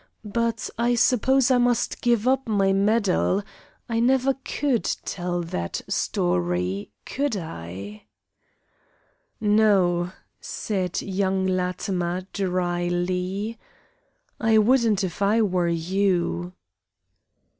But I suppose I must give up my medal. I never could tell that story, could I?" "No," said young Latimer, dryly; "I wouldn't if I were you."